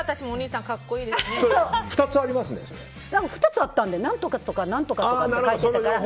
２つあったので何とかとか何とかとかって。